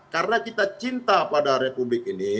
karena kita cinta pada republik ini